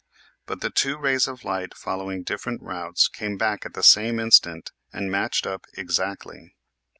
But the two rays of light following different routes came back at the same instant and matched up exactly.